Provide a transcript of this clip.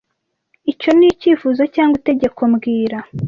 Icyo ni icyifuzo cyangwa itegeko mbwira